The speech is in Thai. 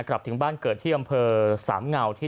กลับถึงบ้านเกิดที่อำเภอสามเงาที่